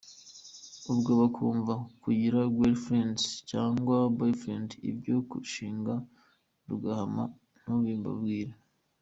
Ubwo bakumva bagira girl freind cg boy freind, ibyo kurushinga rugahama ntubibabwire.